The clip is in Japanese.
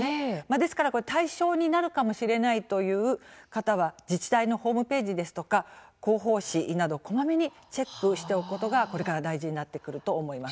ですから対象になるかもしれないという方は自治体のホームページですとか広報誌などをこまめにチェックしておくことがこれから大事になってくると思います。